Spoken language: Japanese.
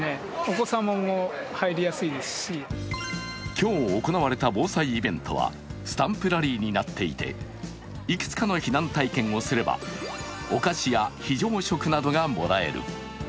今日行われた防災イベントはスタンプラリーになっていて、いくつかの避難体験をすればお菓子や非常食などがもらえる。